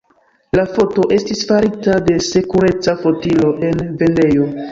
La foto estis farita de sekureca fotilo en vendejo.